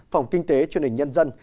phòng kinh tế truyền hình nhân dân